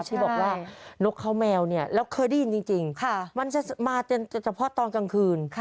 ที่บอกว่านกเขาแมวเนี่ยเราเคยได้ยินจริงมันจะมาเฉพาะตอนกลางคืน